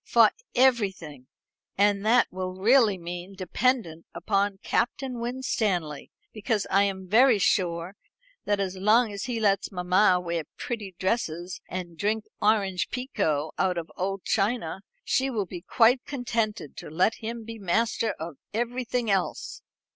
"For everything. And that will really mean dependent upon Captain Winstanley; because I am very sure that as long as he lets mamma wear pretty dresses and drink orange pekoe out of old china, she will be quite contented to let him be master of everything else."